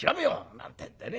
なんてんでね